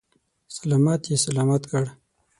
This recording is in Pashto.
سلامت یې سلامت کړ.